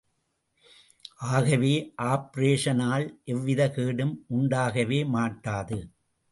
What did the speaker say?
ஆகவே, ஆப்பரேஷனால் எவ்விதக் கேடும் உண்டாகவே மாட்டாது.